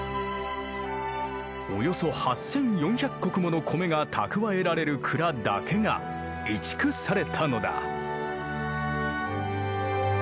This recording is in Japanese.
およそ８，４００石もの米が蓄えられる蔵だけが移築されたのだ。